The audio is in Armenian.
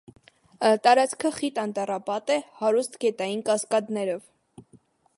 Տարածքը խիտ անտառապատ է՝ հարուստ գետային կասկադներով։